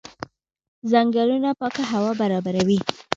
ځنګلونه پاکه هوا برابروي.